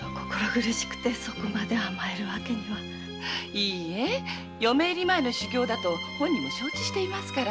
いいえ嫁入り前の修業だと本人も承知していますから。